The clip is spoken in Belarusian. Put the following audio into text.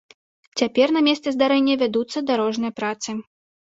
Цяпер на месцы здарэння вядуцца дарожныя працы.